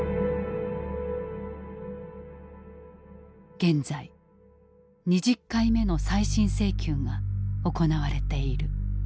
現在２０回目の再審請求が行われている。